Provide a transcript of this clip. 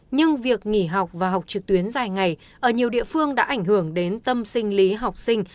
nhưng việc nghỉ học và học trực tuyến dài ngày ở nhiều địa phương đã ảnh hưởng đến tâm sinh lý học sinh